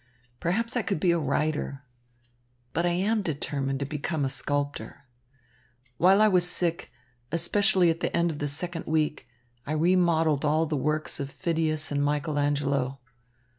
Perhaps I could be a writer. But I am determined to become a sculptor. While I was sick, especially at the end of the second week, I remodelled all the works of Phidias and Michael Angelo.